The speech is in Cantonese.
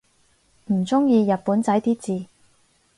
唔中意日本仔啲字